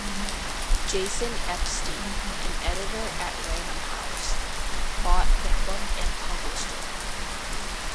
Jason Epstein, an editor at Random House, bought the book and published it.